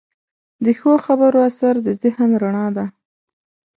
د ښو خبرو اثر د ذهن رڼا ده.